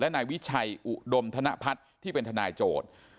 นายวิชัยอุดมธนพัฒน์ที่เป็นทนายโจทย์